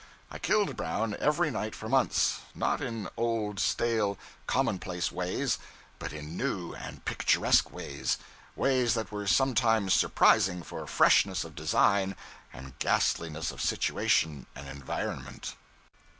I killed Brown every night for months; not in old, stale, commonplace ways, but in new and picturesque ones; ways that were sometimes surprising for freshness of design and ghastliness of situation and environment.